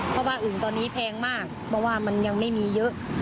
เพราะบ้านอื่นตอนนี้แพงมากเพราะว่ามันยังไม่มีเยอะ